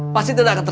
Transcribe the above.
mas suha jahat